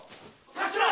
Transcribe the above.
頭！